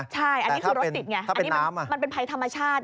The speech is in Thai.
ใช่อันนี้คือรถติดมันเป็นภัยธรรมชาติ